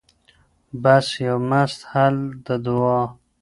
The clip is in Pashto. بس یو مست حل د دعا